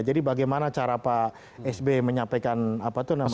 jadi bagaimana cara pak sby menyampaikan apa itu namanya